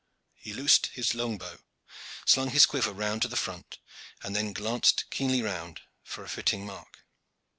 He loosened his long bow, slung his quiver round to the front, and then glanced keenly round for a fitting mark.